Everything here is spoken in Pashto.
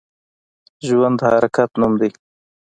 ژوند د حرکت نوم دی